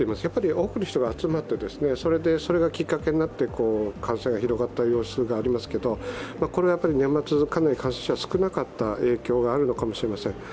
やはり多くの人が集まって、それがきっかけになって感染が広がった様子がありますけれども、年末、かなり感染者が少なかった影響があるのかもしれません。